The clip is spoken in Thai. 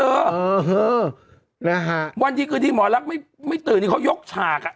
เออนะฮะวันดีคืนดีหมอลักษณ์ไม่ไม่ตื่นนี่เขายกฉากอ่ะ